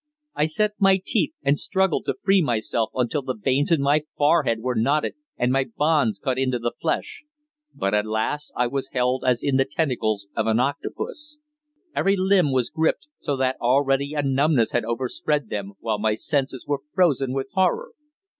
I set my teeth, and struggled to free myself until the veins in my forehead were knotted and my bonds cut into the flesh. But, alas! I was held as in the tentacles of an octopus. Every limb was gripped, so that already a numbness had overspread them, while my senses were frozen with horror.